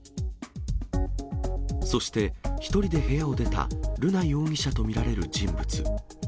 そして、１人で部屋を出た瑠奈容疑者と見られる人物。